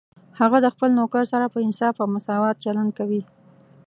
هغه د خپل نوکر سره په انصاف او مساوات چلند کوي